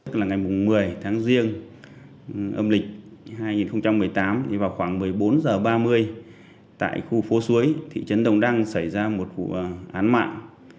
tức là ngày một mươi tháng riêng âm lịch hai nghìn một mươi tám thì vào khoảng một mươi bốn h ba mươi tại khu phố suối thị trấn đồng đăng xảy ra một vụ án mạng